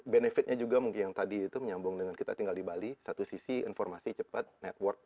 benefitnya juga mungkin yang tadi itu menyambung dengan kita tinggal di bali satu sisi informasi cepat network